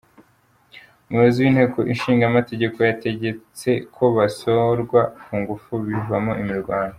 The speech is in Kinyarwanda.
Umuyobozi w’inteko ishinga amategeko yategetse ko basohorwa ku ngufu bivamo imirwano.